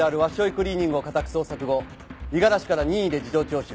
クリーニングを家宅捜索後五十嵐から任意で事情聴取。